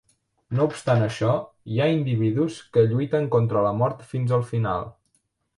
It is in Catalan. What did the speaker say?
No obstant això, hi ha individus que lluiten contra la mort fins al final.